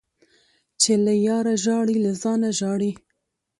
- چي له یاره ژاړي له ځانه ژاړي.